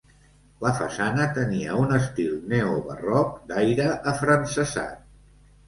La façana tenia un estil neobarroc d'aire afrancesat.